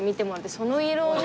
その色の。